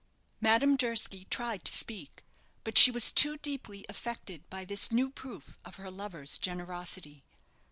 Madame Durski tried to speak; but she was too deeply affected by this new proof of her lover's generosity.